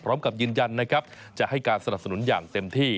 พร้อมกับยืนยันนะครับจะให้การสนับสนุนอย่างเต็มที่